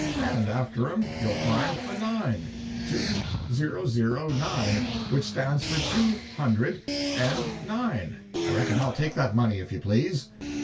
—and after 'em you'll find a 9 (2009), which stands for two hundred and nine. I reckon I'll take that money, if you please."